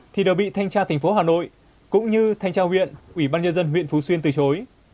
thì đều bị thanh tra thành phố hà nội cũng như thanh tra huyện ủy ban nhân dân huyện phú xuyên từ chối